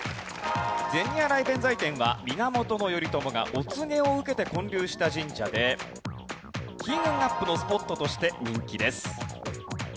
銭洗弁財天は源頼朝がお告げを受けて建立した神社で金運アップのスポットとして人気です。